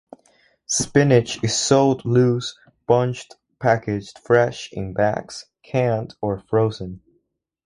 Spinach is sold loose, bunched, packaged fresh in bags, canned, or frozen.